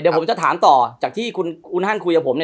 เดี๋ยวผมจะถามต่อจากที่คุณฮันคุยกับผม